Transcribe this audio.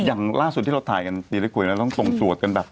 อย่างล่าสุดที่เราถ่ายกันตรงสวดกันแบบ